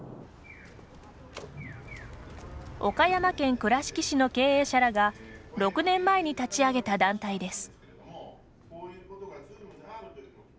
岡山県倉敷市の経営者らが６年前に立ち上げた団体です。